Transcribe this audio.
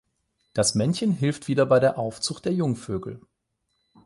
Das Männchen hilft wieder bei der Aufzucht der Jungvögel.